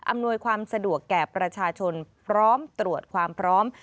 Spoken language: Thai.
อำนวยความสะดวกแก่ประชาชนพร้อมตรวจความพร้อม